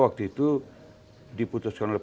waktu itu diputuskan oleh